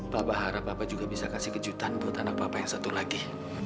papa harap papa juga bisa kasih kejutan buat anak papa yang satu lagi